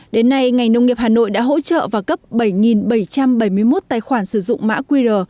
đến nay ngành nông nghiệp hà nội đã hỗ trợ và cấp bảy bảy trăm bảy mươi một tài khoản sử dụng mã qr